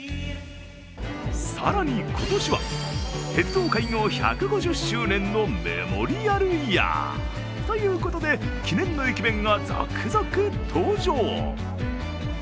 更に、今年は鉄道開業１５０周年のメモリアルイヤー。ということで、記念の駅弁が続々登場。